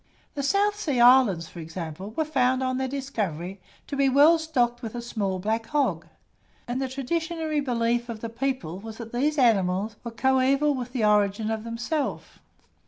The South Sea islands, for example, were found on their discovery to be well stocked with a small black hog; and the traditionary belief of the people was that these animals were coeval with the origin of themselves.